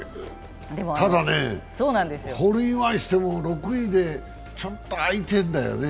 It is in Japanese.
ただね、ホールインワンしても６位で、ちょっと空いてるんだよね。